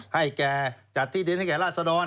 ให้แก่จัดที่ดินให้แก่ราชดร